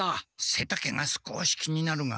せたけが少し気になるが。